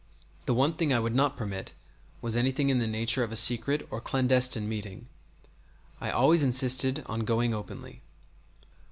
The one thing I would not permit was anything in the nature of a secret or clandestine meeting. I always insisted on going openly.